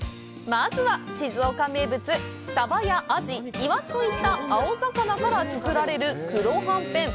まずは、静岡名物サバやアジ、イワシといった青魚から作られる黒はんぺん。